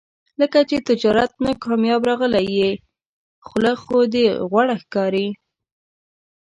لکه چې تجارت نه کامیاب راغلی یې، خوله خو دې غوړه ښکاري.